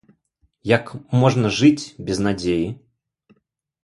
Як можна жыць без надзеі?!